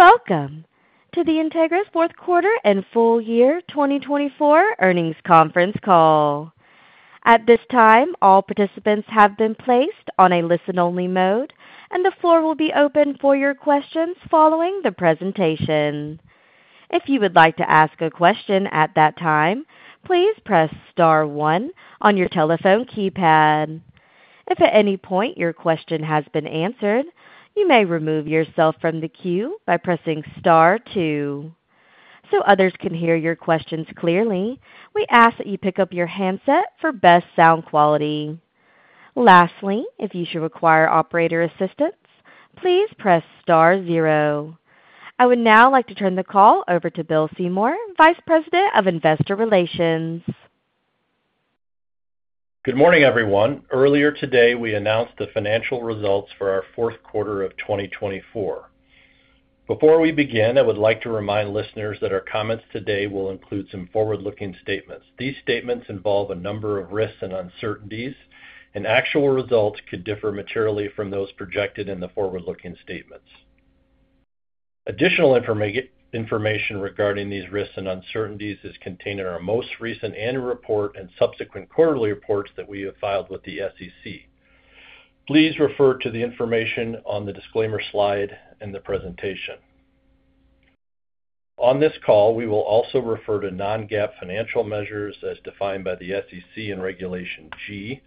Welcome to the Entegris Fourth Quarter and Full Year 2024 Earnings Conference Call. At this time, all participants have been placed on a listen-only mode, and the floor will be open for your questions following the presentation. If you would like to ask a question at that time, please press star one on your telephone keypad. If at any point your question has been answered, you may remove yourself from the queue by pressing star two. Others can hear your questions clearly, we ask that you pick up your handset for best sound quality. Lastly, if you should require operator assistance, please press star zero. I would now like to turn the call over to Bill Seymour, Vice President of Investor Relations. Good morning, everyone. Earlier today, we announced the financial results for our fourth quarter of 2024. Before we begin, I would like to remind listeners that our comments today will include some forward-looking statements. These statements involve a number of risks and uncertainties, and actual results could differ materially from those projected in the forward-looking statements. Additional information regarding these risks and uncertainties is contained in our most recent annual report and subsequent quarterly reports that we have filed with the SEC. Please refer to the information on the disclaimer slide in the presentation. On this call, we will also refer to non-GAAP financial measures as defined by the SEC in Regulation G.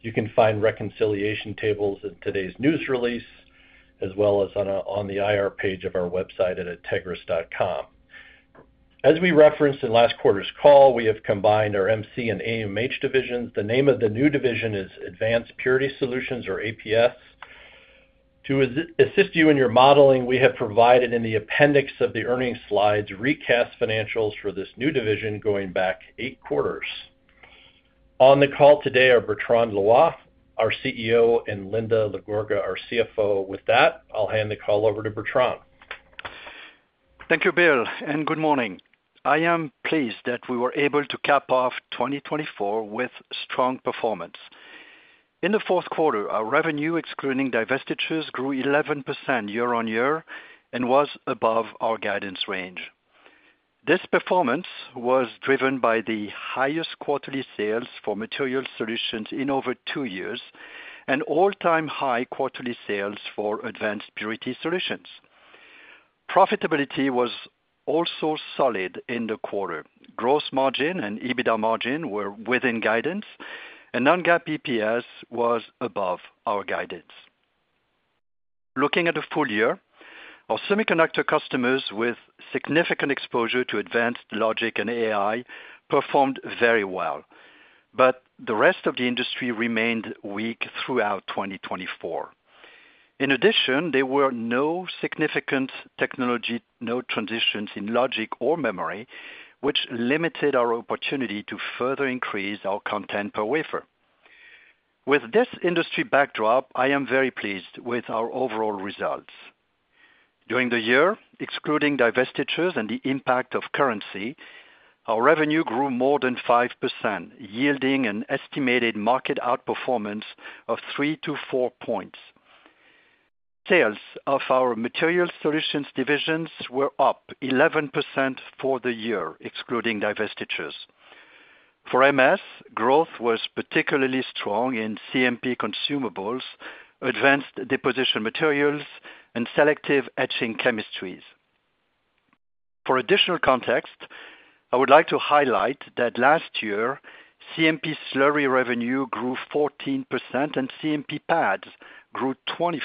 You can find reconciliation tables in today's news release, as well as on the IR page of our website at entegris.com. As we referenced in last quarter's call, we have combined our MC and AMH divisions. The name of the new division is Advanced Purity Solutions, or APS. To assist you in your modeling, we have provided in the appendix of the earnings slides recaps financials for this new division going back eight quarters. On the call today are Bertrand Loy, our CEO, and Linda LaGorga, our CFO. With that, I'll hand the call over to Bertrand. Thank you, Bill, and good morning. I am pleased that we were able to cap off 2024 with strong performance. In the fourth quarter, our revenue, excluding divestitures, grew 11% year-on-year and was above our guidance range. This performance was driven by the highest quarterly sales for Material Solutions in over two years and all-time high quarterly sales for Advanced Purity Solutions. Profitability was also solid in the quarter. Gross margin and EBITDA margin were within guidance, and non-GAAP EPS was above our guidance. Looking at the full year, our semiconductor customers with significant exposure to advanced logic and AI performed very well, but the rest of the industry remained weak throughout 2024. In addition, there were no significant technology transitions in logic or memory, which limited our opportunity to further increase our content per wafer. With this industry backdrop, I am very pleased with our overall results. During the year, excluding divestitures and the impact of currency, our revenue grew more than 5%, yielding an estimated market outperformance of three to four points. Sales of our Material Solutions divisions were up 11% for the year, excluding divestitures. For MS, growth was particularly strong in CMP consumables, advanced deposition materials, and selective etching chemistries. For additional context, I would like to highlight that last year, CMP slurry revenue grew 14% and CMP pads grew 24%.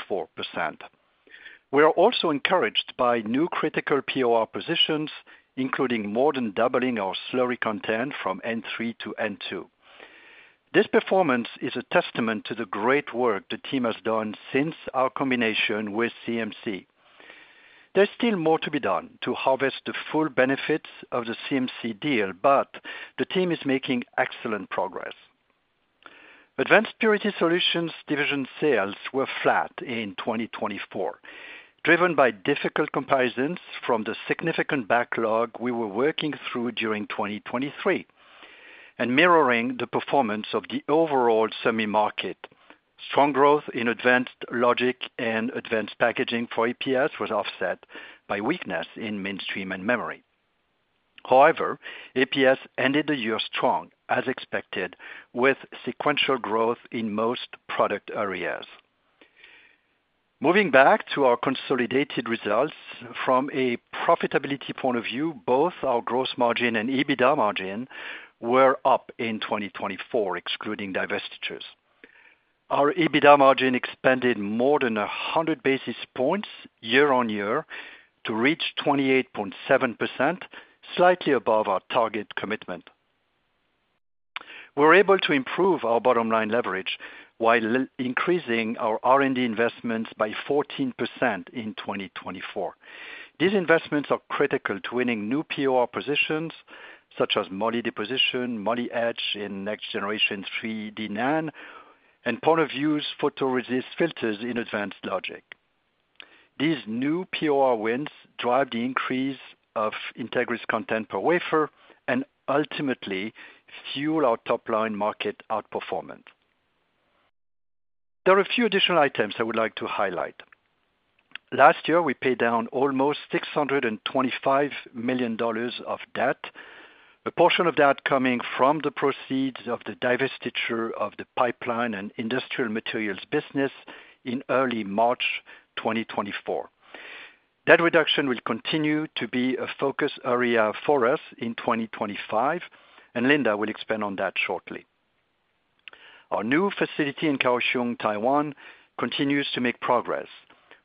We are also encouraged by new critical POR positions, including more than doubling our slurry content from N3-N2. This performance is a testament to the great work the team has done since our combination with CMC. There's still more to be done to harvest the full benefits of the CMC deal, but the team is making excellent progress. Advanced Purity Solutions division sales were flat in 2024, driven by difficult comparisons from the significant backlog we were working through during 2023 and mirroring the performance of the overall semi-market. Strong growth in advanced logic and advanced packaging for APS was offset by weakness in mainstream and memory. However, APS ended the year strong, as expected, with sequential growth in most product areas. Moving back to our consolidated results, from a profitability point of view, both our gross margin and EBITDA margin were up in 2024, excluding divestitures. Our EBITDA margin expanded more than 100 basis points year-on-year to reach 28.7%, slightly above our target commitment. We were able to improve our bottom-line leverage while increasing our R&D investments by 14% in 2024. These investments are critical to winning new POR positions, such as moly deposition, moly etch in next-generation 3D NAND, and point-of-use photoresist filters in advanced logic. These new POR wins drive the increase of Entegris content per wafer and ultimately fuel our top-line market outperformance. There are a few additional items I would like to highlight. Last year, we paid down almost $625 million of debt, a portion of that coming from the proceeds of the divestiture of the Pipeline and Industrial Materials business in early March 2024. That reduction will continue to be a focus area for us in 2025, and Linda will expand on that shortly. Our new facility in Kaohsiung, Taiwan, continues to make progress.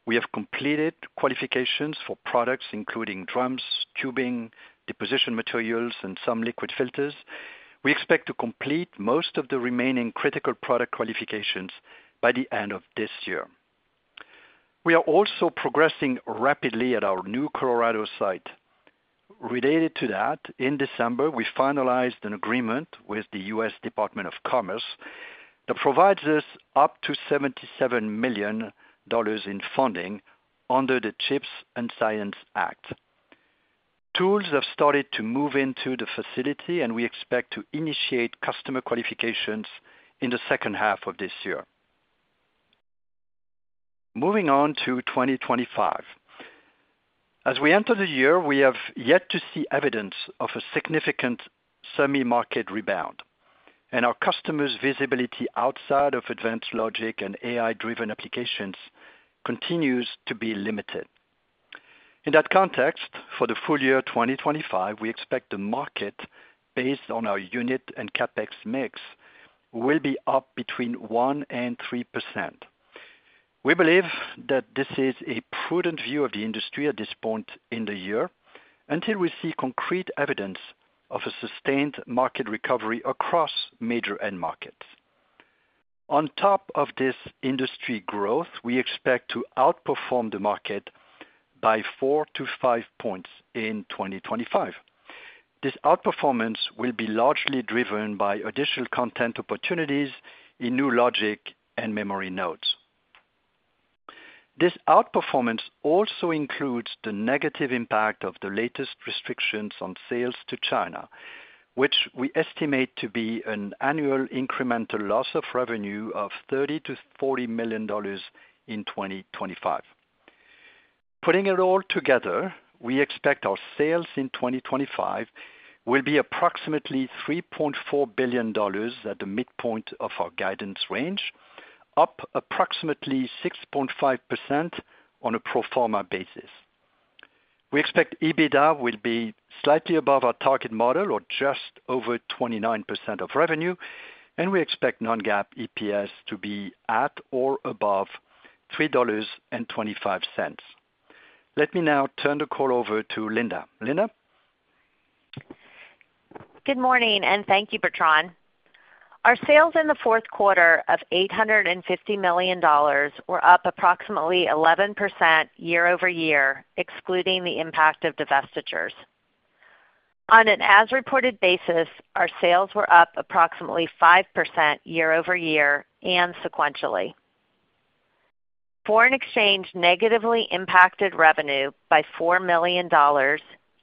We have completed qualifications for products including drums, tubing, deposition materials, and some liquid filters. We expect to complete most of the remaining critical product qualifications by the end of this year. We are also progressing rapidly at our new Colorado site. Related to that, in December, we finalized an agreement with the U.S. Department of Commerce that provides us up to $77 million in funding under the CHIPS and Science Act. Tools have started to move into the facility, and we expect to initiate customer qualifications in the second half of this year. Moving on to 2025. As we enter the year, we have yet to see evidence of a significant semi-market rebound, and our customers' visibility outside of advanced logic and AI-driven applications continues to be limited. In that context, for the full year 2025, we expect the market, based on our unit and CapEx mix, will be up between 1% and 3%. We believe that this is a prudent view of the industry at this point in the year until we see concrete evidence of a sustained market recovery across major end markets. On top of this industry growth, we expect to outperform the market by four to five points in 2025. This outperformance will be largely driven by additional content opportunities in new logic and memory nodes. This outperformance also includes the negative impact of the latest restrictions on sales to China, which we estimate to be an annual incremental loss of revenue of $30-$40 million in 2025. Putting it all together, we expect our sales in 2025 will be approximately $3.4 billion at the midpoint of our guidance range, up approximately 6.5% on a pro forma basis. We expect EBITDA will be slightly above our target model or just over 29% of revenue, and we expect non-GAAP EPS to be at or above $3.25. Let me now turn the call over to Linda. Linda? Good morning, and thank you, Bertrand. Our sales in the fourth quarter of $850 million were up approximately 11% year-over-year, excluding the impact of divestitures. On an as-reported basis, our sales were up approximately 5% year-over-year and sequentially. Foreign exchange negatively impacted revenue by $4 million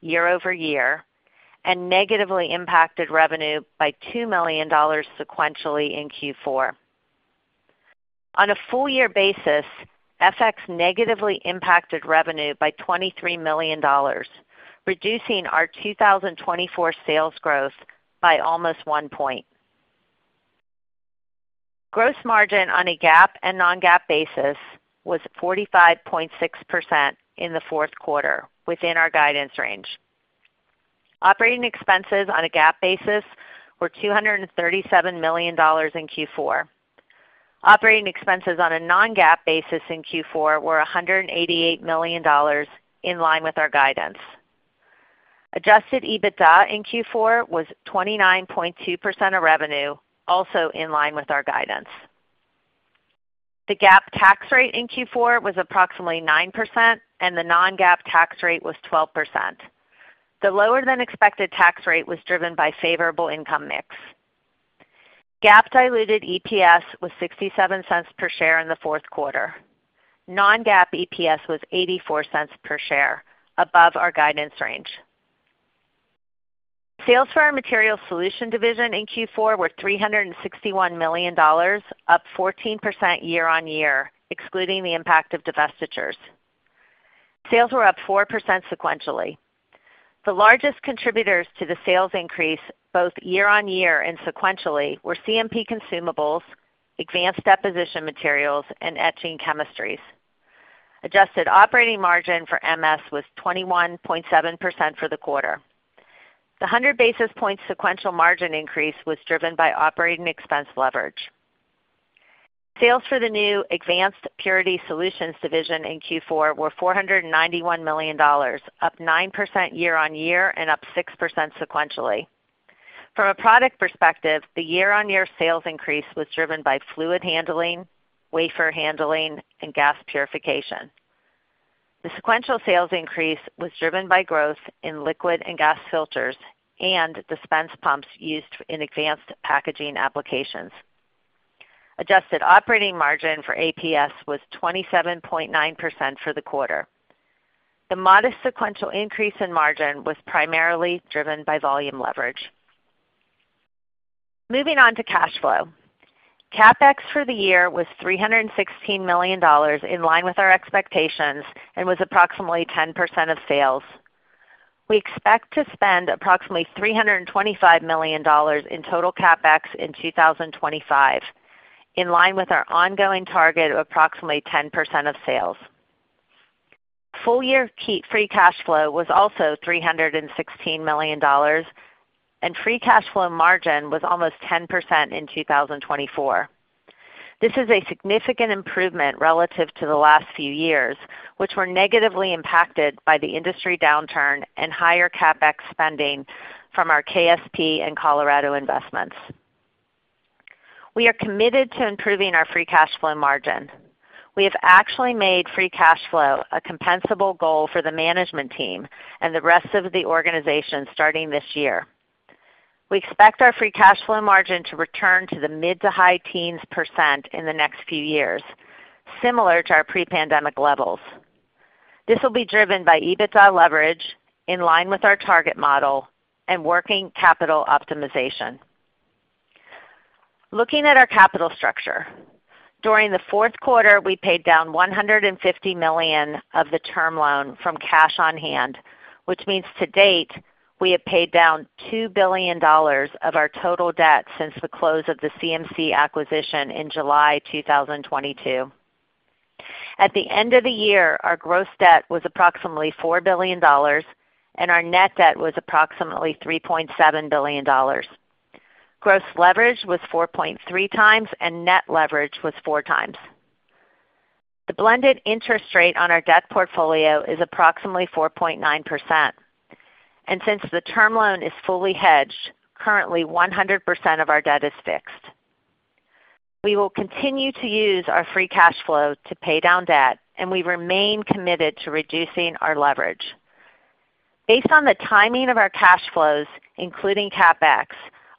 year-over-year and negatively impacted revenue by $2 million sequentially in Q4. On a full-year basis, FX negatively impacted revenue by $23 million, reducing our 2024 sales growth by almost one point. Gross margin on a GAAP and non-GAAP basis was 45.6% in the fourth quarter, within our guidance range. Operating expenses on a GAAP basis were $237 million in Q4. Operating expenses on a non-GAAP basis in Q4 were $188 million in line with our guidance. Adjusted EBITDA in Q4 was 29.2% of revenue, also in line with our guidance. The GAAP tax rate in Q4 was approximately 9%, and the non-GAAP tax rate was 12%. The lower-than-expected tax rate was driven by favorable income mix. GAAP diluted EPS was $0.67 per share in the fourth quarter. Non-GAAP EPS was $0.84 per share, above our guidance range. Sales for our Material Solutions division in Q4 were $361 million, up 14% year-on-year, excluding the impact of divestitures. Sales were up 4% sequentially. The largest contributors to the sales increase, both year-on-year and sequentially, were CMP consumables, advanced deposition materials, and etching chemistries. Adjusted operating margin for MS was 21.7% for the quarter. The 100 basis point sequential margin increase was driven by operating expense leverage. Sales for the new Advanced Purity Solutions division in Q4 were $491 million, up 9% year-on-year and up 6% sequentially. From a product perspective, the year-on-year sales increase was driven by fluid handling, wafer handling, and gas purification. The sequential sales increase was driven by growth in liquid and gas filters and dispense pumps used in advanced packaging applications. Adjusted operating margin for APS was 27.9% for the quarter. The modest sequential increase in margin was primarily driven by volume leverage. Moving on to cash flow. CapEx for the year was $316 million, in line with our expectations, and was approximately 10% of sales. We expect to spend approximately $325 million in total CapEx in 2025, in line with our ongoing target of approximately 10% of sales. Full-year free cash flow was also $316 million, and free cash flow margin was almost 10% in 2024. This is a significant improvement relative to the last few years, which were negatively impacted by the industry downturn and higher CapEx spending from our KSP and Colorado investments. We are committed to improving our free cash flow margin. We have actually made free cash flow a compensable goal for the management team and the rest of the organization starting this year. We expect our free cash flow margin to return to the mid- to high-teens % in the next few years, similar to our pre-pandemic levels. This will be driven by EBITDA leverage, in line with our target model, and working capital optimization. Looking at our capital structure, during the fourth quarter, we paid down $150 million of the term loan from cash on hand, which means to date, we have paid down $2 billion of our total debt since the close of the CMC acquisition in July 2022. At the end of the year, our gross debt was approximately $4 billion, and our net debt was approximately $3.7 billion. Gross leverage was 4.3 times, and net leverage was 4 times. The blended interest rate on our debt portfolio is approximately 4.9%. Since the term loan is fully hedged, currently 100% of our debt is fixed. We will continue to use our free cash flow to pay down debt, and we remain committed to reducing our leverage. Based on the timing of our cash flows, including CapEx,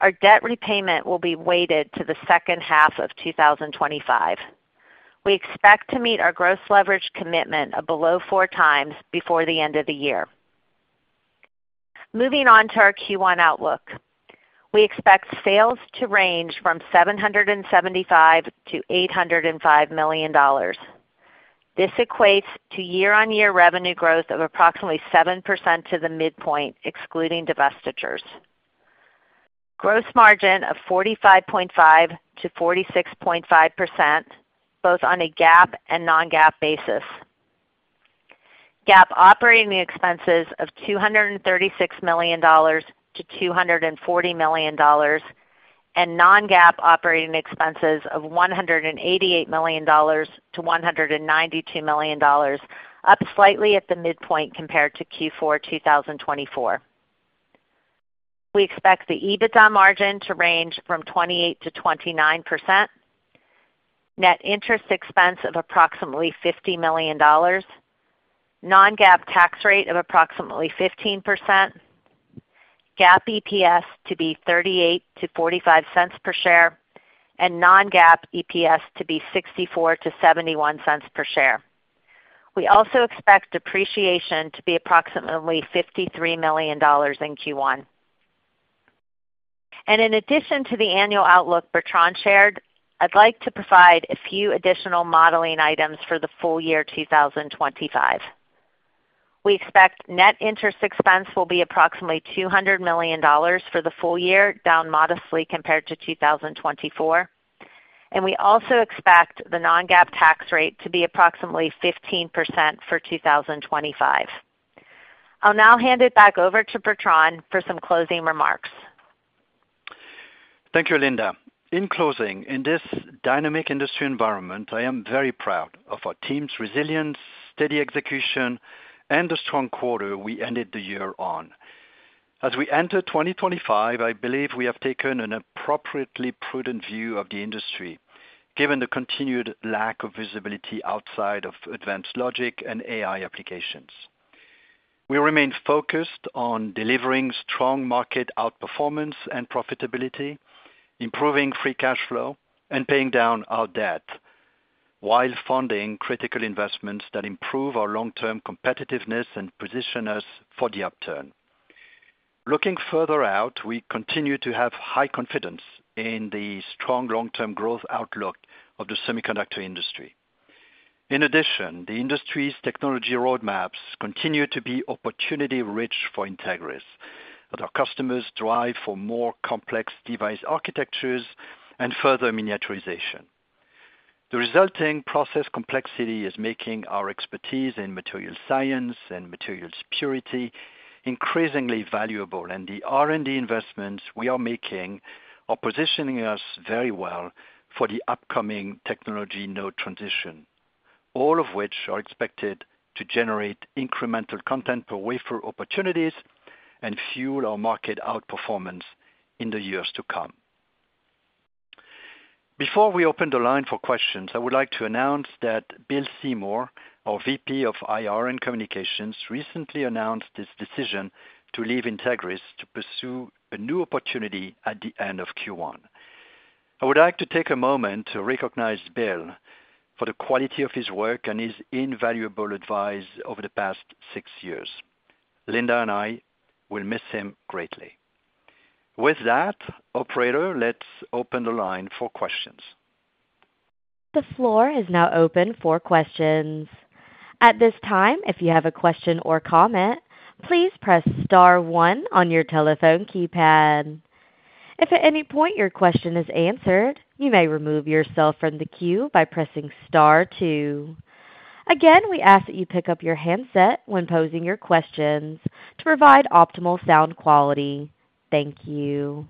our debt repayment will be weighted to the second half of 2025. We expect to meet our gross leverage commitment of below four times before the end of the year. Moving on to our Q1 outlook, we expect sales to range from $775-$805 million. This equates to year-on-year revenue growth of approximately 7% to the midpoint, excluding divestitures. Gross margin of 45.5-46.5%, both on a GAAP and non-GAAP basis. GAAP operating expenses of $236-$240 million, and non-GAAP operating expenses of $188-$192 million, up slightly at the midpoint compared to Q4 2024. We expect the EBITDA margin to range from 28-29%, net interest expense of approximately $50 million, non-GAAP tax rate of approximately 15%, GAAP EPS to be $0.38-$0.45 per share, and non-GAAP EPS to be $0.64-$0.71 per share. We also expect depreciation to be approximately $53 million in Q1. In addition to the annual outlook Bertrand shared, I'd like to provide a few additional modeling items for the full year 2025. We expect net interest expense will be approximately $200 million for the full year, down modestly compared to 2024. We also expect the Non-GAAP tax rate to be approximately 15% for 2025. I'll now hand it back over to Bertrand for some closing remarks. Thank you, Linda. In closing, in this dynamic industry environment, I am very proud of our team's resilience, steady execution, and the strong quarter we ended the year on. As we enter 2025, I believe we have taken an appropriately prudent view of the industry, given the continued lack of visibility outside of advanced logic and AI applications. We remain focused on delivering strong market outperformance and profitability, improving free cash flow, and paying down our debt while funding critical investments that improve our long-term competitiveness and position us for the upturn. Looking further out, we continue to have high confidence in the strong long-term growth outlook of the semiconductor industry. In addition, the industry's technology roadmaps continue to be opportunity-rich for Entegris, but our customers drive for more complex device architectures and further miniaturization. The resulting process complexity is making our expertise in material science and material security increasingly valuable, and the R&D investments we are making are positioning us very well for the upcoming technology node transition, all of which are expected to generate incremental content per wafer opportunities and fuel our market outperformance in the years to come. Before we open the line for questions, I would like to announce that Bill Seymour, our VP of IR and Communications, recently announced his decision to leave Entegris to pursue a new opportunity at the end of Q1. I would like to take a moment to recognize Bill for the quality of his work and his invaluable advice over the past six years. Linda and I will miss him greatly. With that, operator, let's open the line for questions. The floor is now open for questions. At this time, if you have a question or comment, please press star one on your telephone keypad. If at any point your question is answered, you may remove yourself from the queue by pressing star two. Again, we ask that you pick up your handset when posing your questions to provide optimal sound quality. Thank you.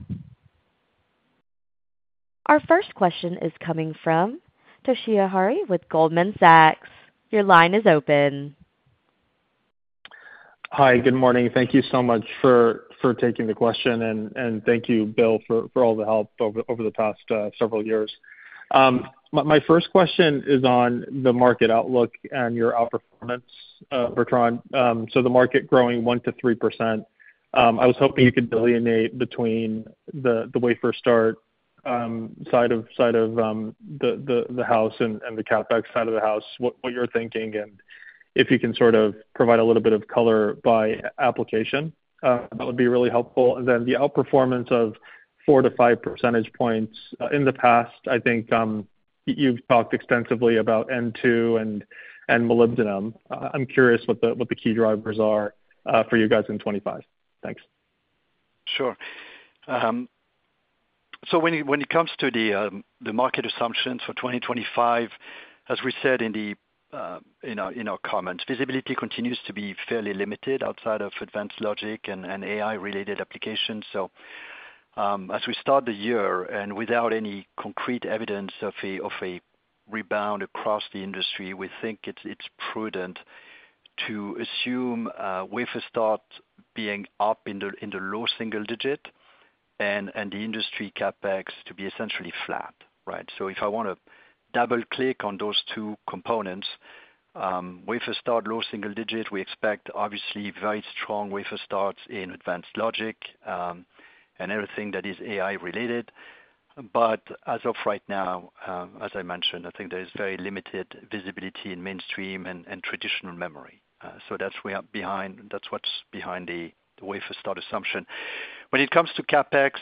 Our first question is coming from Toshiya Hari with Goldman Sachs. Your line is open. Hi, good morning. Thank you so much for taking the question, and thank you, Bill, for all the help over the past several years. My first question is on the market outlook and your outperformance, Bertrand. The market growing 1%-3%. I was hoping you could delineate between the wafer start side of the house and the CapEx side of the house, what you're thinking, and if you can provide a little bit of color by application, that would be really helpful. And then the outperformance of 4-5 percentage points in the past, you've talked extensively about N2 and Molybdenum. I'm curious what the key drivers are for you guys in 2025. Thanks. Sure. When it comes to the market assumptions for 2025, as we said in our comments, visibility continues to be fairly limited outside of advanced logic and AI-related applications. As we start the year and without any concrete evidence of a rebound across the industry, we think it's prudent to assume wafer start being up in the low single digit and the industry CapEx to be essentially flat, right? If I want to double-click on those two components, wafer start low single digit, we expect obviously very strong wafer starts in advanced logic and everything that is AI-related. But as of right now, as I mentioned, there is very limited visibility in mainstream and traditional memory. That's what's behind the wafer start assumption. When it comes to CapEx,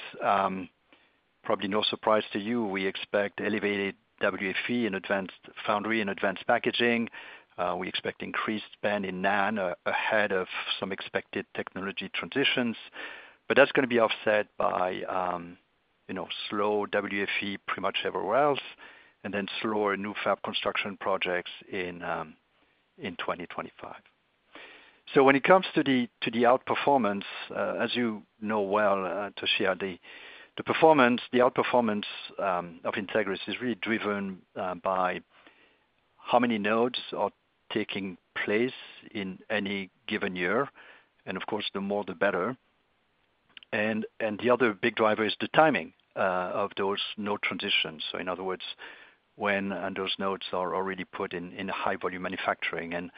probably no surprise to you, we expect elevated WFE and advanced foundry and advanced packaging. We expect increased spend in NAND ahead of some expected technology transitions, but that's going to be offset by slow WFE pretty much everywhere else, and then slower new fab construction projects in 2025, so when it comes to the outperformance, as you know well, Toshiya Hari, the outperformance of Entegris is really driven by how many nodes are taking place in any given year, and of course, the more, the better, and the other big driver is the timing of those node transitions, so in other words, when those nodes are already put in high-volume manufacturing, and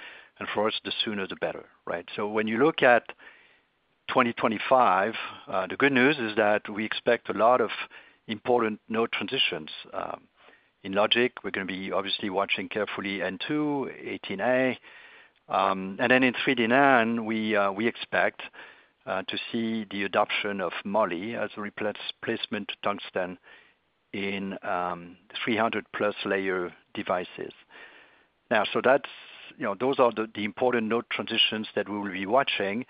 for us, the sooner, the better, right, so when you look at 2025, the good news is that we expect a lot of important node transitions in logic, we're going to be obviously watching carefully N2, 18A. And then in 3D NAND, we expect to see the adoption of MOLY as a replacement tungsten in 300-plus layer devices. Now, so those are the important node transitions that we will be watching.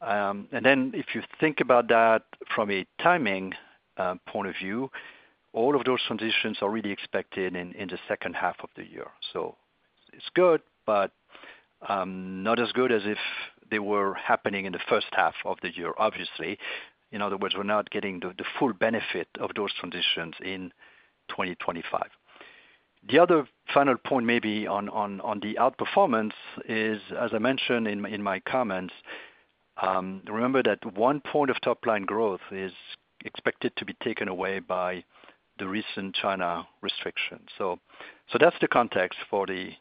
And then if you think about that from a timing point of view, all of those transitions are really expected in the second half of the year. It's good, but not as good as if they were happening in the first half of the year, obviously. In other words, we're not getting the full benefit of those transitions in 2025. The other final point maybe on the outperformance is, as I mentioned in my comments, remember that one point of top-line growth is expected to be taken away by the recent China restrictions. That's the context for the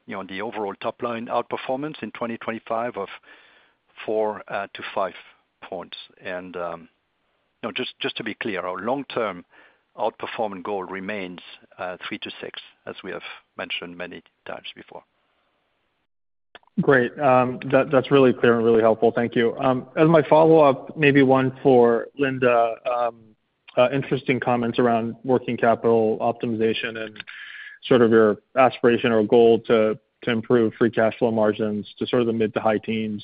overall top-line outperformance in 2025 of 4-5 points. Just to be clear, our long-term outperformance goal remains 3-6, as we have mentioned many times before. Great. That's really clear and really helpful. Thank you. As my follow-up, maybe one for Linda, interesting comments around working capital optimization and sort of your aspiration or goal to improve free cash flow margins to sort of the mid to high teens.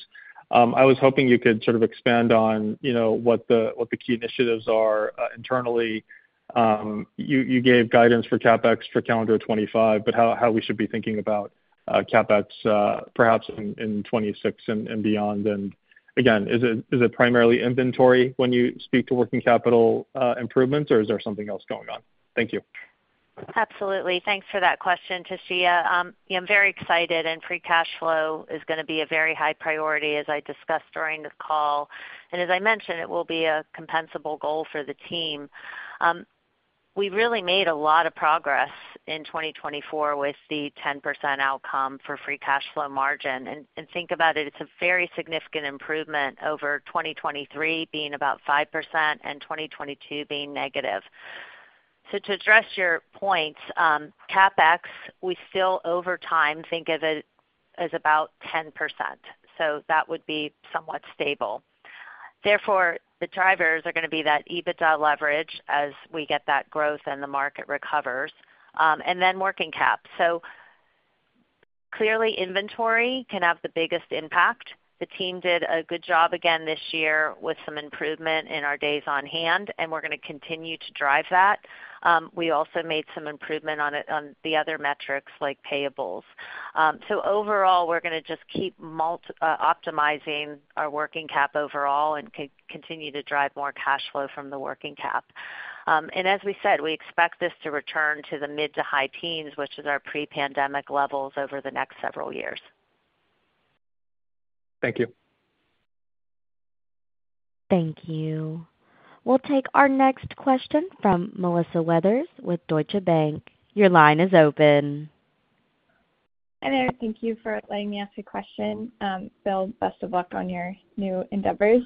I was hoping you could sort of expand on what the key initiatives are internally. You gave guidance for CapEx for calendar 2025, but how we should be thinking about CapEx perhaps in 2026 and beyond. And again, is it primarily inventory when you speak to working capital improvements, or is there something else going on? Thank you. Absolutely. Thanks for that question, Toshiya Hari. I'm very excited, and free cash flow is going to be a very high priority, as I discussed during the call. And as I mentioned, it will be a compensable goal for the team. We really made a lot of progress in 2024 with the 10% outcome for free cash flow margin. And think about it, it's a very significant improvement over 2023 being about 5% and 2022 being negative. To address your points, CapEx, we still over time think of it as about 10%. That would be somewhat stable. Therefore, the drivers are going to be that EBITDA leverage as we get that growth and the market recovers. And then working cap. Clearly, inventory can have the biggest impact. The team did a good job again this year with some improvement in our days on hand, and we're going to continue to drive that. We also made some improvement on the other metrics like payables. Overall, we're going to just keep optimizing our working cap overall and continue to drive more cash flow from the working cap, and as we said, we expect this to return to the mid to high teens, which is our pre-pandemic levels over the next several years. Thank you. Thank you. We'll take our next question from Melissa Weathers with Deutsche Bank. Your line is open. Hi there. Thank you for letting me ask a question. Bill, best of luck on your new endeavors.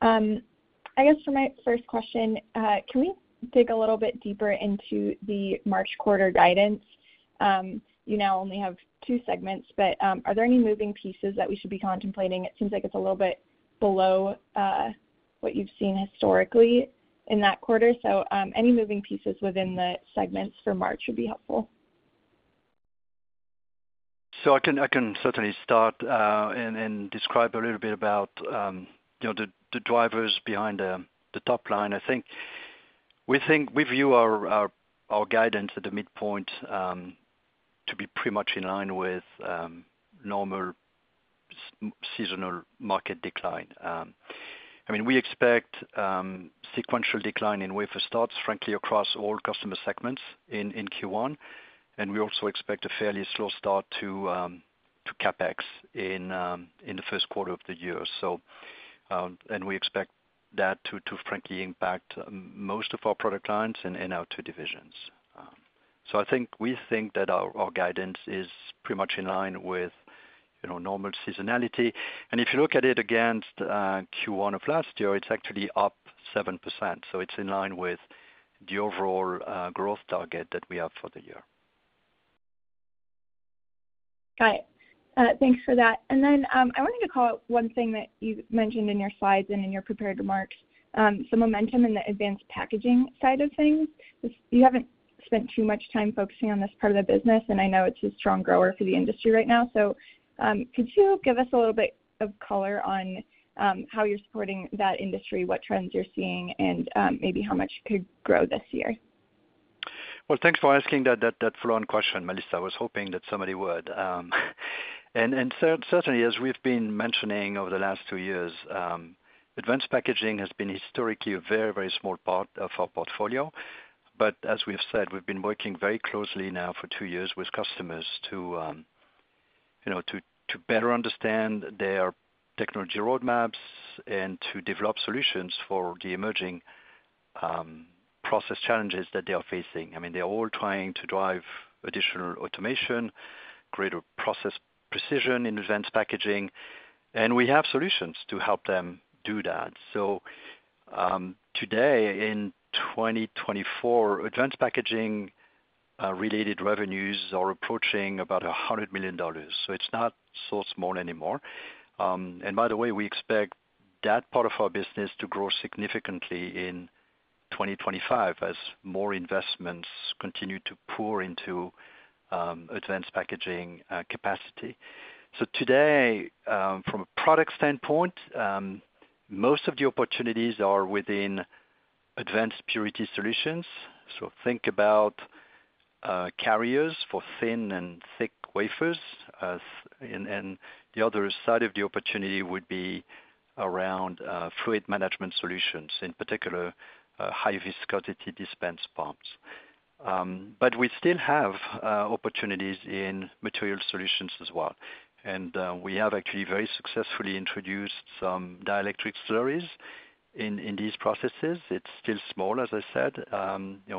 For my first question, can we dig a little bit deeper into the March quarter guidance? You now only have two segments, but are there any moving pieces that we should be contemplating? It seems like it's a little bit below what you've seen historically in that quarter. Any moving pieces within the segments for March would be helpful. I can certainly start and describe a little bit about the drivers behind the top line. We view our guidance at the midpoint to be pretty much in line with normal seasonal market decline. We expect sequential decline in wafer starts, frankly, across all customer segments in Q1. And we also expect a fairly slow start to CapEx in the first quarter of the year. And we expect that to frankly impact most of our product lines and our two divisions. Our guidance is pretty much in line with normal seasonality. And if you look at it against Q1 of last year, it's actually up 7%. It's in line with the overall growth target that we have for the year. Got it. Thanks for that. And then I wanted to call out one thing that you mentioned in your slides and in your prepared remarks. Momentum in the advanced packaging side of things. You haven't spent too much time focusing on this part of the business, and I know it's a strong grower for the industry right now. Could you give us a little bit of color on how you're supporting that industry, what trends you're seeing, and maybe how much could grow this year? Thanks for asking that full-on question, Melissa. I was hoping that somebody would. Certainly, as we've been mentioning over the last two years, advanced packaging has been historically a very, very small part of our portfolio. As we've said, we've been working very closely now for two years with customers to better understand their technology roadmaps and to develop solutions for the emerging process challenges that they are facing. They're all trying to drive additional automation, greater process precision in advanced packaging. We have solutions to help them do that. Today, in 2024, advanced packaging-related revenues are approaching about $100 million. It's not so small anymore. By the way, we expect that part of our business to grow significantly in 2025 as more investments continue to pour into advanced packaging capacity. Today, from a product standpoint, most of the opportunities are within Advanced Purity Solutions. Think about carriers for thin and thick wafers. The other side of the opportunity would be around fluid handling solutions, in particular, high-viscosity dispense pumps. We still have opportunities in Material Solutions as well. We have actually very successfully introduced some dielectric slurries in these processes. It's still small, as I said,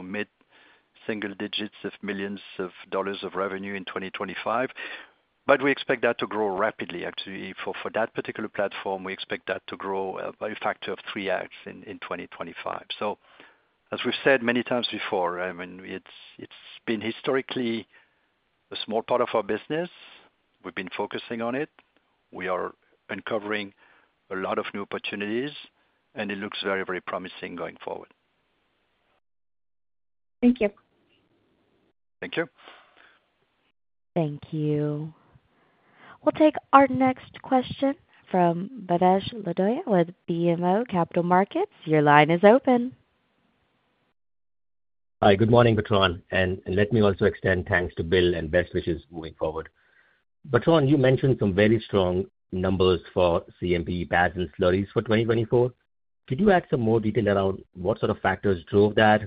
mid-single digits of millions of dollars of revenue in 2025. We expect that to grow rapidly, actually. For that particular platform, we expect that to grow by a factor of 3X in 2025. As we've said many times before it's been historically a small part of our business. We've been focusing on it. We are uncovering a lot of new opportunities, and it looks very, very promising going forward. Thank you. Thank you. Thank you. We'll take our next question from Bhavesh Lodaya with BMO Capital Markets. Your line is open. Hi, good morning, Bertrand. And let me also extend thanks to Bill and best wishes moving forward. Bertrand, you mentioned some very strong numbers for CMP pads and slurries for 2024. Could you add some more detail around what factors drove that?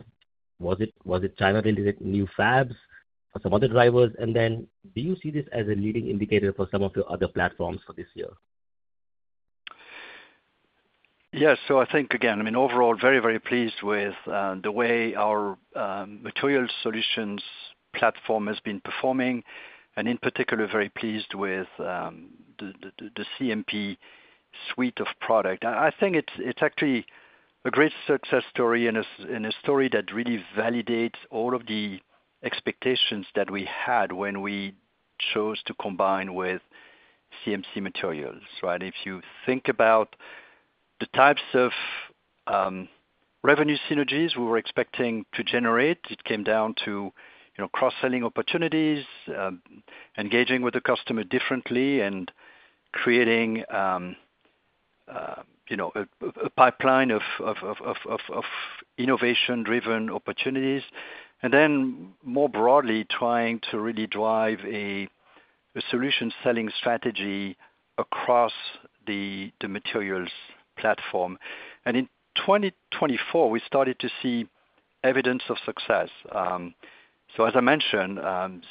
Was it China-related new fabs or some other drivers? And then do you see this as a leading indicator for some of your other platforms for this year? Yes. Again, overall, very pleased with the way our material solutions platform has been performing. And in particular, very pleased with the CMP suite of product. It's actually a great success story and a story that really validates all of the expectations that we had when we chose to combine with CMC Materials, right? If you think about the types of revenue synergies we were expecting to generate, it came down to cross-selling opportunities, engaging with the customer differently, and creating a pipeline of innovation-driven opportunities. And then more broadly, trying to really drive a solution-selling strategy across the materials platform. And in 2024, we started to see evidence of success. As I mentioned,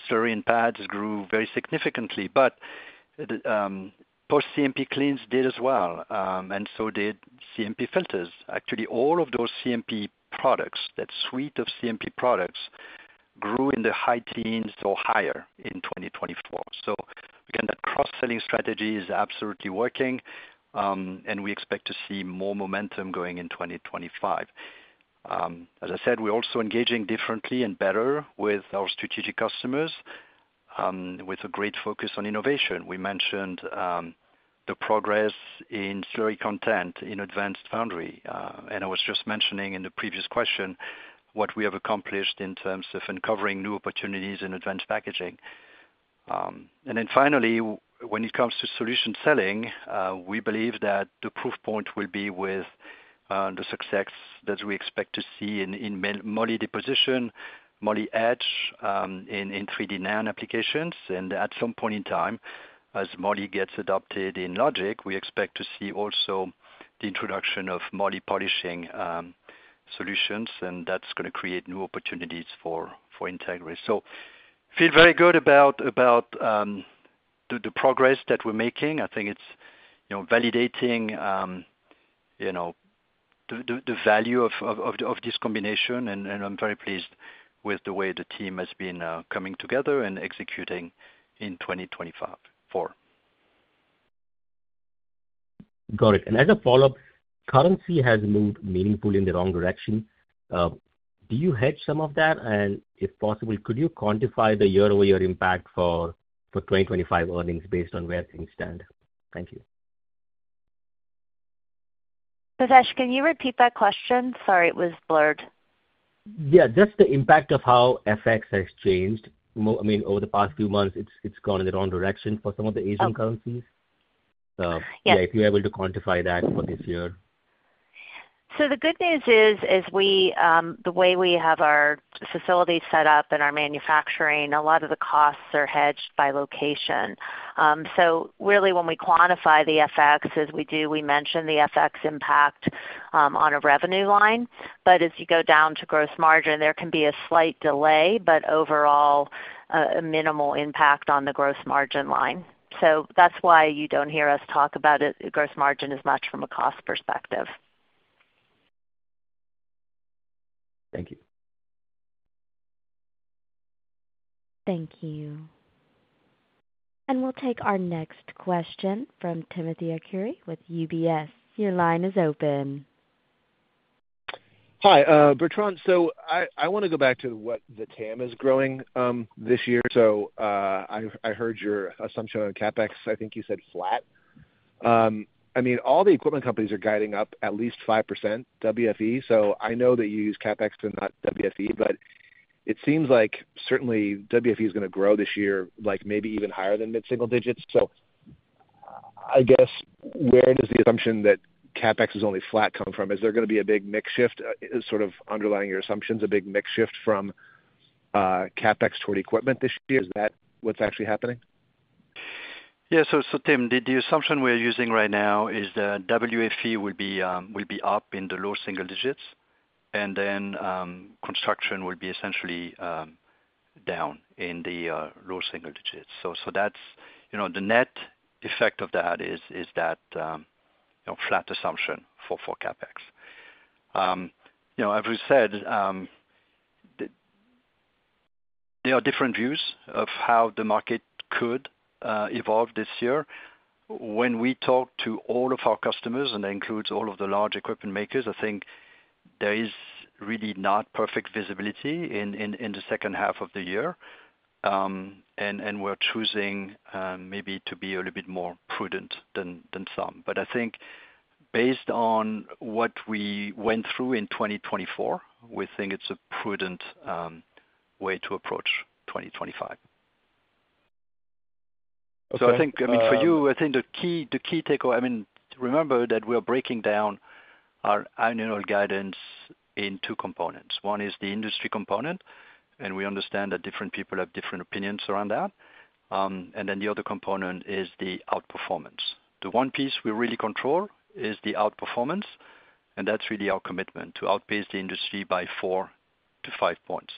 slurry and pads grew very significantly, but post-CMP cleans did as well. And so did CMP filters. Actually, all of those CMP products, that suite of CMP products grew in the high teens or higher in 2024. Again, that cross-selling strategy is absolutely working, and we expect to see more momentum going in 2025. As I said, we're also engaging differently and better with our strategic customers with a great focus on innovation. We mentioned the progress in slurry content in advanced foundry, and I was just mentioning in the previous question what we have accomplished in terms of uncovering new opportunities in advanced packaging, and then finally, when it comes to solution selling, we believe that the proof point will be with the success that we expect to see in Moly deposition, Moly etch in 3D NAND applications. And at some point in time, as moly gets adopted in logic, we expect to see also the introduction of moly polishing solutions, and that's going to create new opportunities for Entegris. I feel very good about the progress that we're making. It's validating the value of this combination, and I'm very pleased with the way the team has been coming together and executing in 2024. Got it. And as a follow-up, currency has moved meaningfully in the wrong direction. Do you hedge some of that? And if possible, could you quantify the year-over-year impact for 2025 earnings based on where things stand? Thank you. Bhavesh, can you repeat that question? Sorry, it was blurred. Yeah. Just the impact of how FX has changed. Over the past few months, it's gone in the wrong direction for some of the Asian currencies. Yeah, if you're able to quantify that for this year. The good news is, the way we have our facilities set up and our manufacturing, a lot of the costs are hedged by location. Really, when we quantify the FX, as we do, we mention the FX impact on a revenue line. But as you go down to gross margin, there can be a slight delay, but overall, a minimal impact on the gross margin line. That's why you don't hear us talk about gross margin as much from a cost perspective. Thank you. Thank you. And we'll take our next question from Timothy Arcuri with UBS. Your line is open. Hi, Bertrand. I want to go back to what the TAM is growing this year. I heard your assumption on CapEx. You said flat. All the equipment companies are guiding up at least 5% WFE. I know that you use CapEx and not WFE, but it seems like certainly WFE is going to grow this year, maybe even higher than mid-single digits. Where does the assumption that CapEx is only flat come from? Is there going to be a big mix shift? Is underlying your assumptions a big mix shift from CapEx toward equipment this year? Is that what's actually happening? Yeah. Tim, the assumption we're using right now is that WFE will be up in the low single digits, and then construction will be essentially down in the low single digits. The net effect of that is that flat assumption for CapEx. As we said, there are different views of how the market could evolve this year. When we talk to all of our customers, and that includes all of the large equipment makers, there is really not perfect visibility in the second half of the year. And we're choosing maybe to be a little bit more prudent than some. But based on what we went through in 2024, we think it's a prudent way to approach 2025. For you, the key takeaway remember that we're breaking down our annual guidance into components. One is the industry component, and we understand that different people have different opinions around that. And then the other component is the outperformance. The one piece we really control is the outperformance, and that's really our commitment to outpace the industry by four to five points.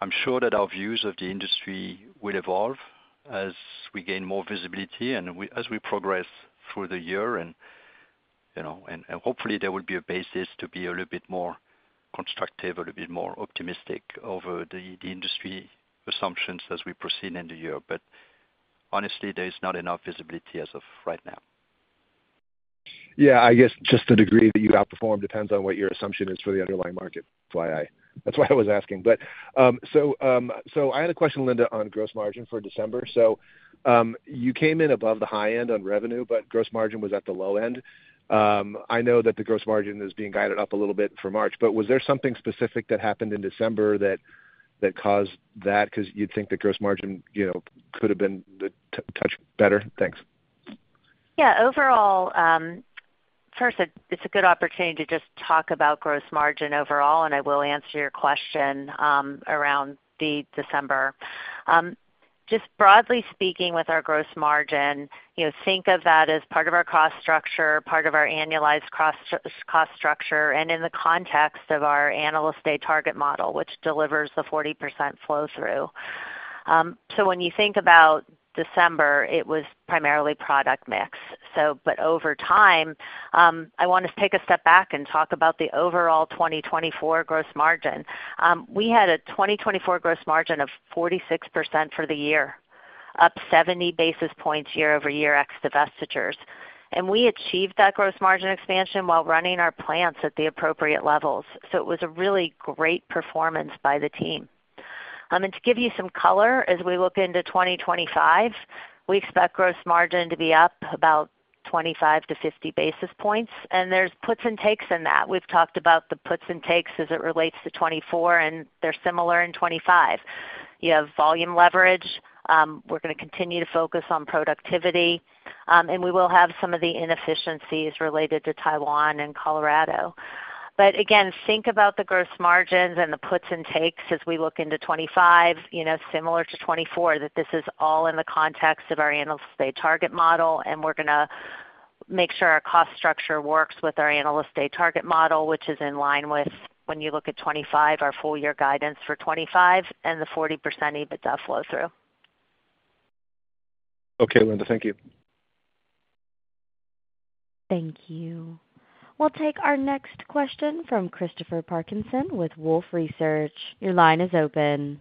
I'm sure that our views of the industry will evolve as we gain more visibility and as we progress through the year. And hopefully, there will be a basis to be a little bit more constructive, a little bit more optimistic over the industry assumptions as we proceed in the year. But honestly, there is not enough visibility as of right now. Yeah. Just the degree that you outperform depends on what your assumption is for the underlying market. That's why I was asking. I had a question, Linda, on gross margin for December. You came in above the high end on revenue, but gross margin was at the low end. I know that the gross margin is being guided up a little bit for March. But was there something specific that happened in December that caused that? Because you'd think that gross margin could have been touched better. Thanks. Yeah. Overall, first, it's a good opportunity to just talk about gross margin overall, and I will answer your question around December. Just broadly speaking, with our gross margin, think of that as part of our cost structure, part of our annualized cost structure, and in the context of our analyst day target model, which delivers the 40% flow-through. When you think about December, it was primarily product mix. But over time, I want to take a step back and talk about the overall 2024 gross margin. We had a 2024 gross margin of 46% for the year, up 70 basis points year-over-year ex divestitures. And we achieved that gross margin expansion while running our plants at the appropriate levels. It was a really great performance by the team. To give you some color, as we look into 2025, we expect gross margin to be up about 25-50 basis points. There's puts and takes in that. We've talked about the puts and takes as it relates to 2024, and they're similar in 2025. You have volume leverage. We're going to continue to focus on productivity. We will have some of the inefficiencies related to Taiwan and Colorado. But again, think about the gross margins and the puts and takes as we look into 2025, similar to 2024, that this is all in the context of our analyst day target model. We're going to make sure our cost structure works with our analyst day target model, which is in line with when you look at 2025, our full-year guidance for 2025 and the 40% EBITDA flow-through. Okay, Linda. Thank you. Thank you. We'll take our next question from Christopher Parkinson with Wolfe Research. Your line is open.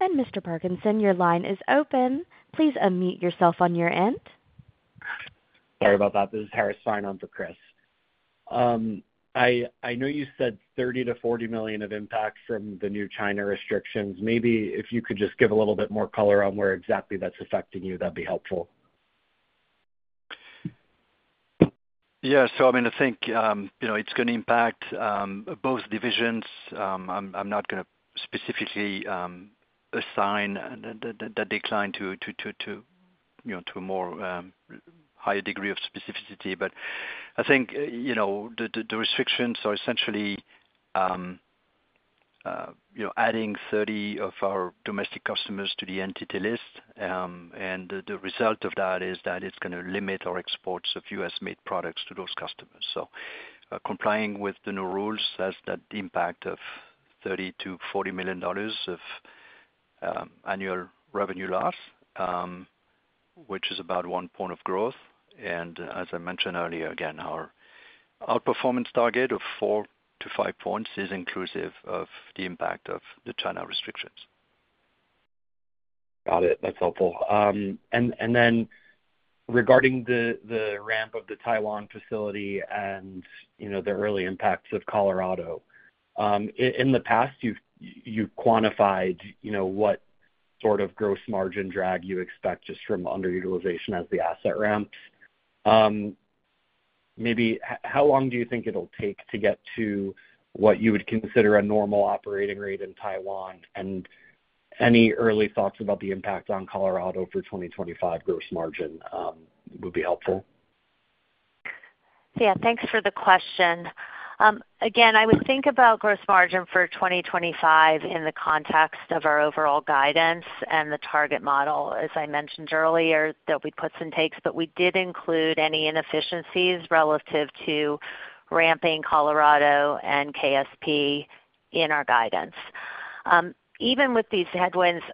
And Mr. Parkinson, your line is open. Please unmute yourself on your end. Sorry about that. This is Harris signing on for Chris. I know you said $30 million-$40 million of impact from the new China restrictions. Maybe if you could just give a little bit more color on where exactly that's affecting you, that'd be helpful. Yeah. It's going to impact both divisions. I'm not going to specifically assign that decline to a more higher degree of specificity. But I think the restrictions are essentially adding 30 of our domestic customers to the Entity List. And the result of that is that it's going to limit our exports of U.S.-made products to those customers. Complying with the new rules has that impact of $30-$40 million of annual revenue loss, which is about 1 point of growth. And as I mentioned earlier, again, our outperformance target of 4-5 points is inclusive of the impact of the China restrictions. Got it. That's helpful. And then regarding the ramp of the Taiwan facility and the early impacts of Colorado, in the past, you've quantified what sort of gross margin drag you expect just from underutilization as the asset ramps. Maybe how long do you think it'll take to get to what you would consider a normal operating rate in Taiwan? And any early thoughts about the impact on Colorado for 2025 gross margin would be helpful. Yeah. Thanks for the question. Again, I would think about gross margin for 2025 in the context of our overall guidance and the target model, as I mentioned earlier, that we put some takes, but we did include any inefficiencies relative to ramping Colorado and KSP in our guidance. Even with these headwinds,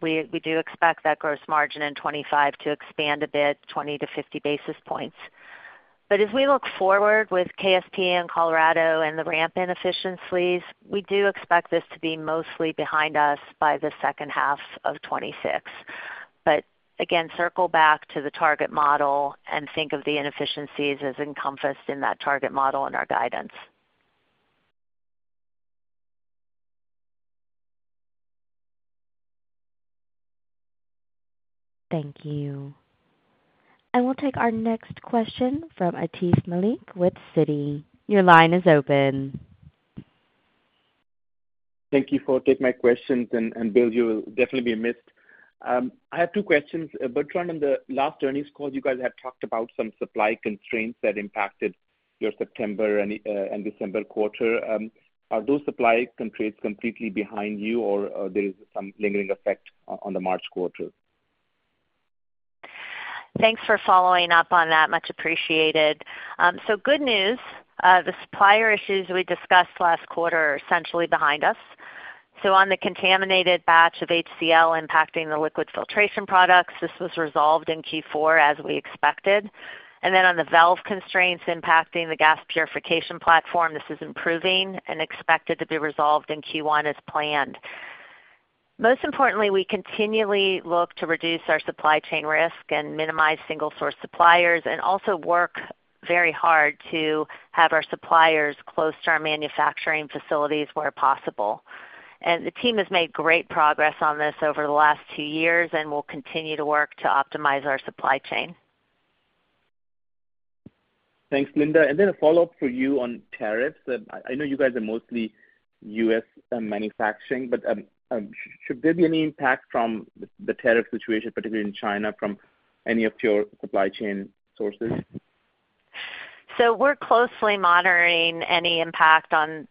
we do expect that gross margin in 2025 to expand a bit, 20-50 basis points. But as we look forward with KSP and Colorado and the ramp inefficiencies, we do expect this to be mostly behind us by the second half of 2026. But again, circle back to the target model and think of the inefficiencies as encompassed in that target model in our guidance. Thank you. And we'll take our next question from Atif Malik with Citi. Your line is open. Thank you for taking my questions, and Bill, you'll definitely be amazed. I have two questions. Bertrand, on the last earnings call, you guys had talked about some supply constraints that impacted your September and December quarter. Are those supply constraints completely behind you, or there is some lingering effect on the March quarter? Thanks for following up on that. Much appreciated. So good news. The supplier issues we discussed last quarter are essentially behind us. On the contaminated batch of HCl impacting the liquid filtration products, this was resolved in Q4 as we expected. And then on the valve constraints impacting the gas purification platform, this is improving and expected to be resolved in Q1 as planned. Most importantly, we continually look to reduce our supply chain risk and minimize single-source suppliers and also work very hard to have our suppliers close to our manufacturing facilities where possible. And the team has made great progress on this over the last two years and will continue to work to optimize our supply chain. Thanks, Linda. And then a follow-up for you on tariffs. I know you guys are mostly U.S. manufacturing, but should there be any impact from the tariff situation, particularly in China, from any of your supply chain sources? We're closely monitoring any impact on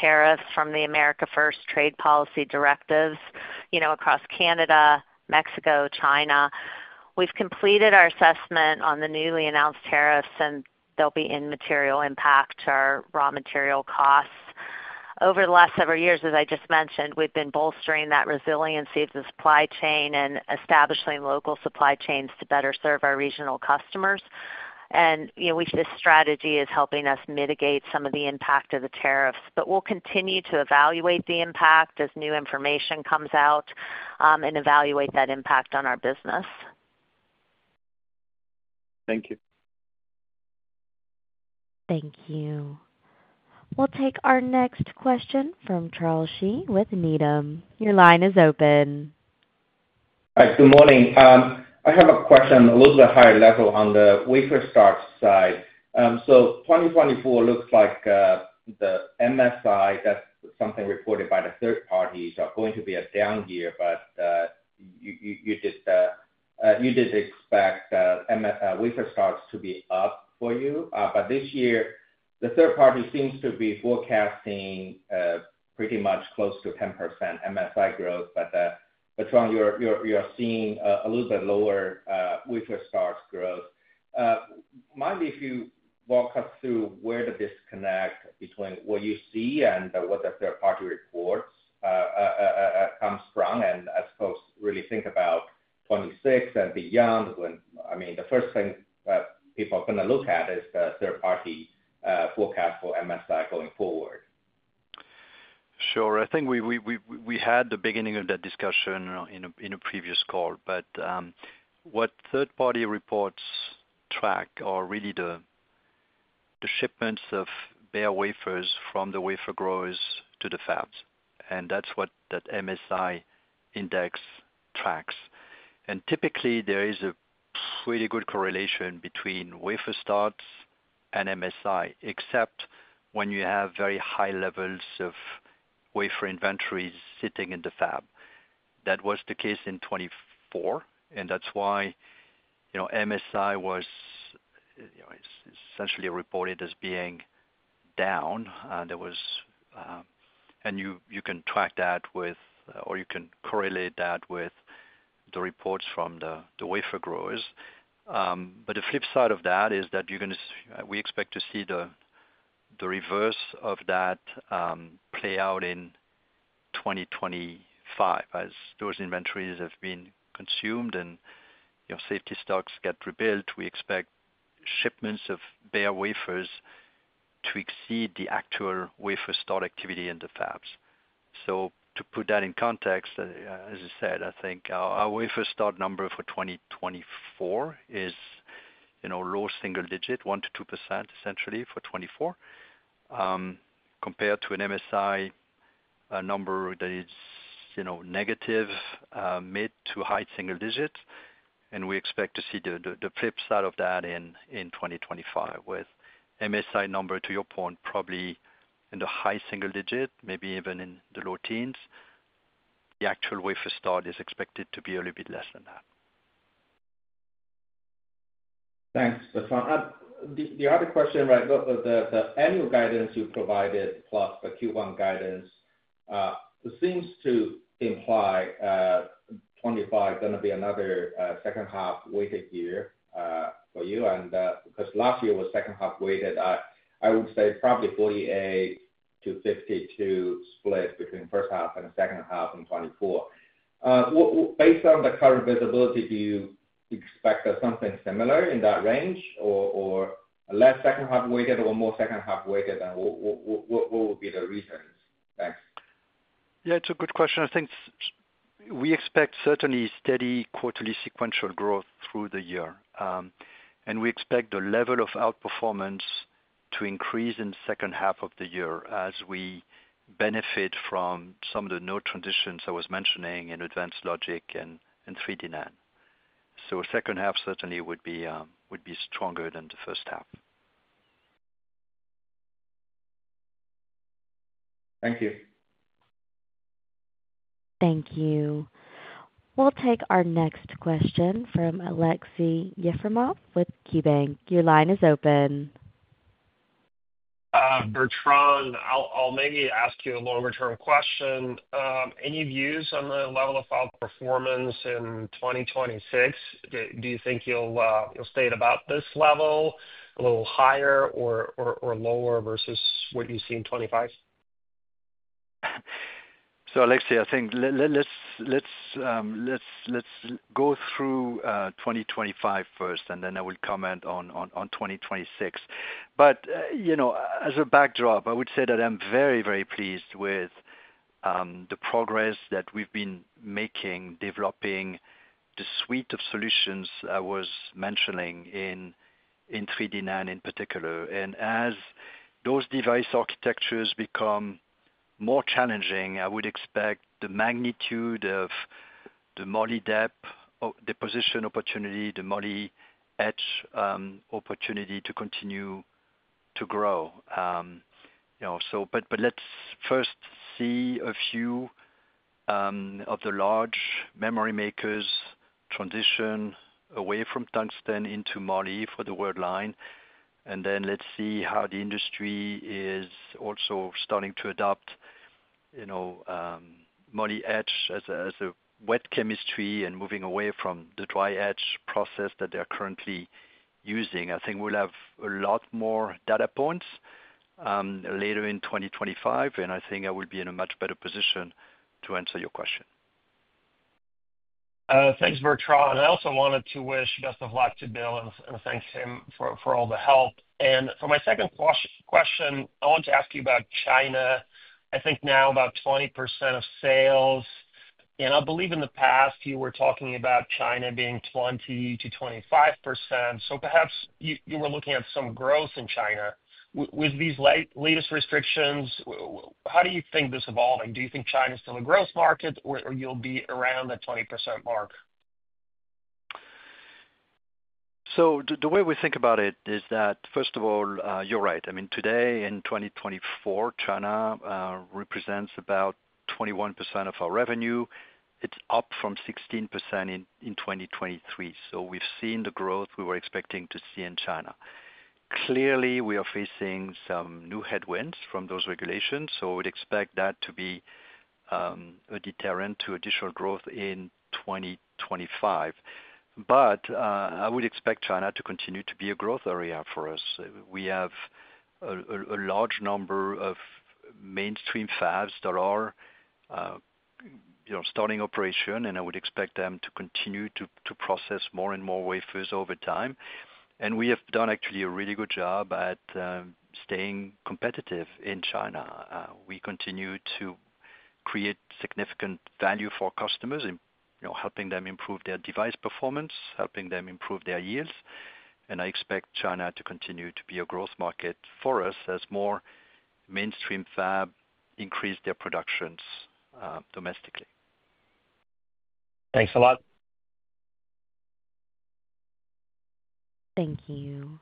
tariffs from the America First trade policy directives across Canada, Mexico, China. We've completed our assessment on the newly announced tariffs, and there'll be no material impact to our raw material costs. Over the last several years, as I just mentioned, we've been bolstering that resiliency of the supply chain and establishing local supply chains to better serve our regional customers. This strategy is helping us mitigate some of the impact of the tariffs. We'll continue to evaluate the impact as new information comes out and evaluate that impact on our business. Thank you. Thank you. We'll take our next question from Charles Shi with Needham. Your line is open. Hi. Good morning. I have a question a little bit higher level on the wafer start side. 2024 looks like the MSI, that's something reported by the third parties, are going to be a down year. But you did expect wafer starts to be up for you. But this year, the third party seems to be forecasting pretty much close to 10% MSI growth. But Bertrand, you're seeing a little bit lower wafer start growth. Mind if you walk us through where the disconnect between what you see and what the third party reports comes from? And I suppose really think about 2026 and beyond. The first thing people are going to look at is the third party forecast for MSI going forward. Sure. We had the beginning of that discussion in a previous call. But what third party reports track are really the shipments of bare wafers from the wafer growers to the fabs. And that's what that MSI index tracks. And typically, there is a pretty good correlation between wafer starts and MSI, except when you have very high levels of wafer inventories sitting in the fab. That was the case in 2024. And that's why MSI was essentially reported as being down. And you can track that with or you can correlate that with the reports from the wafer growers. But the flip side of that is that we expect to see the reverse of that play out in 2025. As those inventories have been consumed and safety stocks get rebuilt, we expect shipments of bare wafers to exceed the actual wafer start activity in the fabs. To put that in context, as I said, our wafer start number for 2024 is low single digit, 1%-2% essentially for 2024, compared to an MSI number that is negative, mid- to high-single digits. And we expect to see the flip side of that in 2025 with MSI number, to your point, probably in the high-single digit, maybe even in the low teens. The actual wafer start is expected to be a little bit less than that. Thanks, Bertrand. The other question, right, the annual guidance you provided plus the Q1 guidance seems to imply 2025 is going to be another second-half weighted year for you. And because last year was second-half weighted, I would say probably 48-52 split between first half and second half in 2024. Based on the current visibility, do you expect something similar in that range or less second-half weighted or more second-half weighted? And what would be the reasons? Thanks. Yeah. It's a good question. We expect certainly steady quarterly sequential growth through the year. And we expect the level of outperformance to increase in the second half of the year as we benefit from some of the node transitions I was mentioning in Advanced Logic and 3D NAND. Second half certainly would be stronger than the first half. Thank you. Thank you. We'll take our next question from Alexei Yefremov with KeyBanc. Your line is open. Bertrand, I'll maybe ask you a longer-term question. Any views on the level of outperformance in 2026? Do you think you'll stay at about this level, a little higher or lower versus what you see in 2025? Alexei, let's go through 2025 first, and then I will comment on 2026. But as a backdrop, I would say that I'm very, very pleased with the progress that we've been making, developing the suite of solutions I was mentioning in 3D NAND in particular. And as those device architectures become more challenging, I would expect the magnitude of the moly depth, the deposition opportunity, the moly etch opportunity to continue to grow. But let's first see a few of the large memory makers transition away from tungsten into moly for the word line. And then let's see how the industry is also starting to adopt moly etch as a wet chemistry and moving away from the dry etch process that they're currently using. We'll have a lot more data points later in 2025, and I will be in a much better position to answer your question. Thanks, Bertrand. I also wanted to wish best of luck to Bill and thank him for all the help. And for my second question, I want to ask you about China. Now about 20% of sales. And I believe in the past, you were talking about China being 20%-25%. Perhaps you were looking at some growth in China. With these latest restrictions, how do you think this evolving? Do you think China is still a growth market, or you'll be around the 20% mark? The way we think about it is that, first of all, you're right. Today in 2024, China represents about 21% of our revenue. It's up from 16% in 2023. We've seen the growth we were expecting to see in China. Clearly, we are facing some new headwinds from those regulations. We'd expect that to be a deterrent to additional growth in 2025. But I would expect China to continue to be a growth area for us. We have a large number of mainstream fabs that are starting operation, and I would expect them to continue to process more and more wafers over time. And we have done actually a really good job at staying competitive in China. We continue to create significant value for customers in helping them improve their device performance, helping them improve their yields. I expect China to continue to be a growth market for us as more mainstream fabs increase their productions domestically. Thanks a lot. Thank you.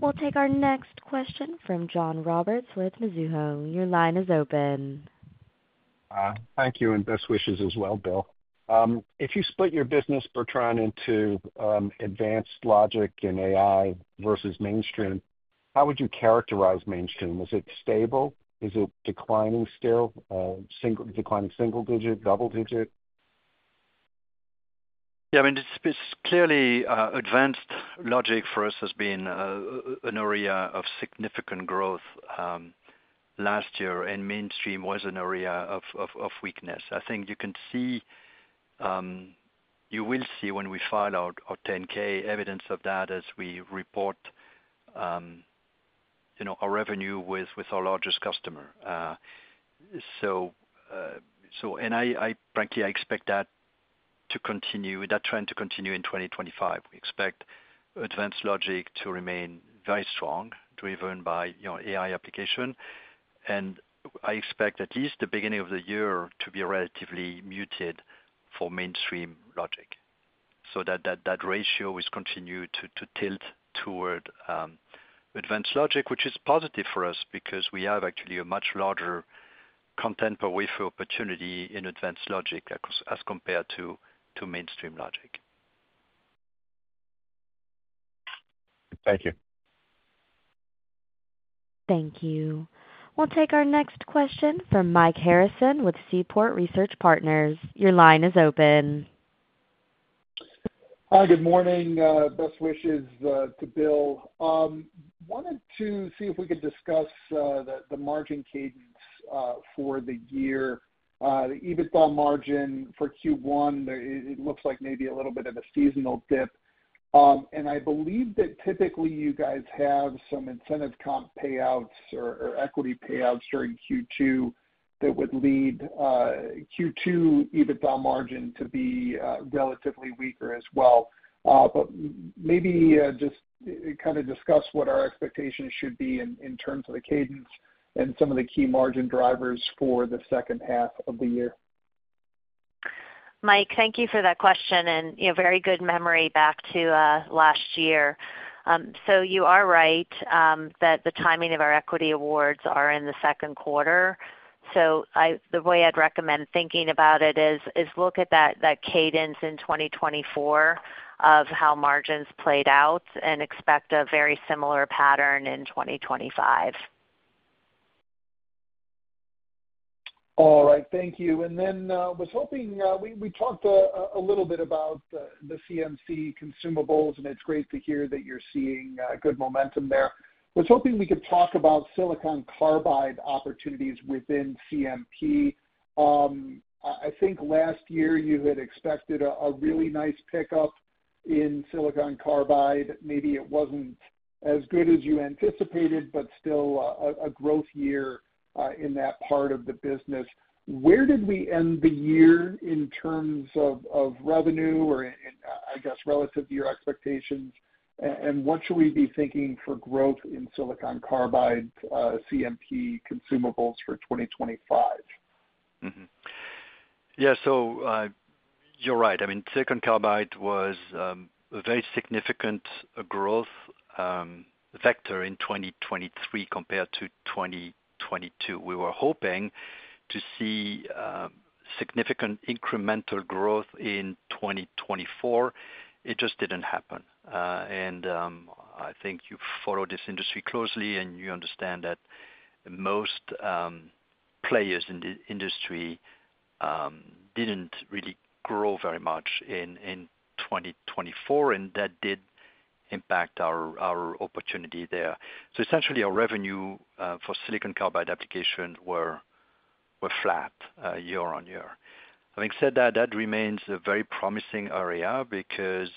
We'll take our next question from John Roberts with Mizuho. Your line is open. Thank you and best wishes as well, Bill. If you split your business, Bertrand, into Advanced Logic and AI versus mainstream, how would you characterize mainstream? Is it stable? Is it declining still? Declining single digit, double digit? Yeah. It's clearly Advanced Logic for us has been an area of significant growth last year, and mainstream was an area of weakness. You can see, you will see when we file our 10K, evidence of that as we report our revenue with our largest customer. And frankly, I expect that to continue, that trend to continue in 2025. We expect Advanced Logic to remain very strong, driven by AI application. And I expect at least the beginning of the year to be relatively muted for mainstream logic. That ratio will continue to tilt toward Advanced Logic, which is positive for us because we have actually a much larger content per wafer opportunity in Advanced Logic as compared to mainstream logic. Thank you. Thank you. We'll take our next question from Mike Harrison with Seaport Research Partners. Your line is open. Hi. Good morning. Best wishes to Bill. Wanted to see if we could discuss the margin cadence for the year. The EBITDA margin for Q1 it looks like maybe a little bit of a seasonal dip, and I believe that typically you guys have some incentive comp payouts or equity payouts during Q2 that would lead Q2 EBITDA margin to be relatively weaker as well, but maybe just kind of discuss what our expectations should be in terms of the cadence and some of the key margin drivers for the second half of the year. Mike, thank you for that question. And very good memory back to last year. You are right that the timing of our equity awards are in the second quarter. The way I'd recommend thinking about it is look at that cadence in 2024 of how margins played out and expect a very similar pattern in 2025. All right. Thank you, and then I was hoping we talked a little bit about the CMC consumables, and it's great to hear that you're seeing good momentum there. I was hoping we could talk about Silicon Carbide opportunities within CMP. Last year you had expected a really nice pickup in Silicon Carbide. Maybe it wasn't as good as you anticipated, but still a growth year in that part of the business. Where did we end the year in terms of revenue, I guess, relative to your expectations? And what should we be thinking for growth in Silicon Carbide CMP consumables for 2025? Yeah. You're right. Silicon Carbide was a very significant growth vector in 2023 compared to 2022. We were hoping to see significant incremental growth in 2024. It just didn't happen. And you follow this industry closely, and you understand that most players in the industry didn't really grow very much in 2024, and that did impact our opportunity there. Essentially, our revenue for Silicon Carbide applications were flat year on year. Having said that, that remains a very promising area because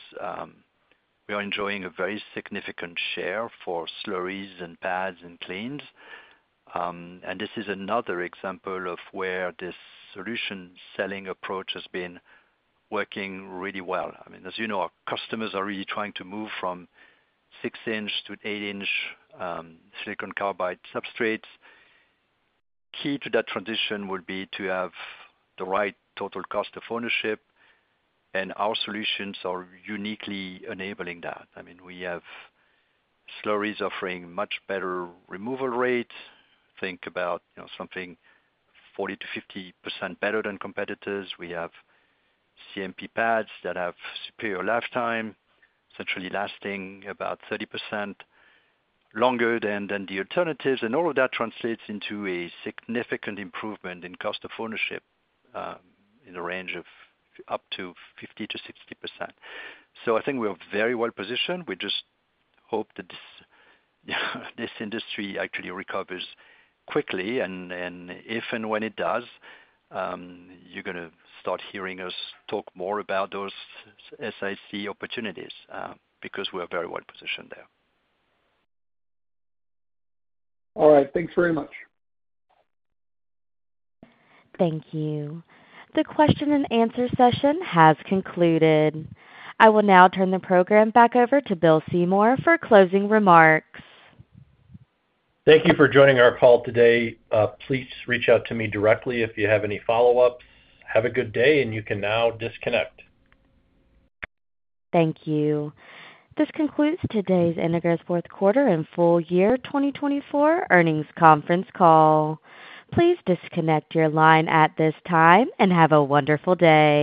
we are enjoying a very significant share for slurries and pads and cleans. And this is another example of where this solution selling approach has been working really well. Our customers are really trying to move from 6-inch to 8-inch Silicon Carbide substrates. Key to that transition would be to have the right total cost of ownership. Our solutions are uniquely enabling that. We have slurries offering much better removal rates. Think about something 40%-50% better than competitors. We have CMP pads that have superior lifetime, essentially lasting about 30% longer than the alternatives. And all of that translates into a significant improvement in cost of ownership in the range of up to 50%-60%. We are very well positioned. We just hope that this industry actually recovers quickly. And if and when it does, you're going to start hearing us talk more about those SiC opportunities because we are very well positioned there. All right. Thanks very much. Thank you. The question and answer session has concluded. I will now turn the program back over to Bill Seymour for closing remarks. Thank you for joining our call today. Please reach out to me directly if you have any follow-ups. Have a good day, and you can now disconnect. Thank you. This concludes today's Entegris's Fourth Quarter and Full Year 2024 earnings conference call. Please disconnect your line at this time and have a wonderful day.